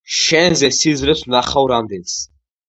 შენზე სიზმრებს ვნახავ რამდენს